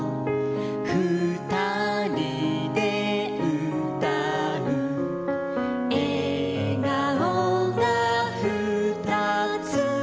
「ふたりでうたう」「えがおがふたつ」